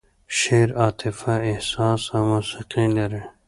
شعر عاطفه، احساس او موسیقي لري.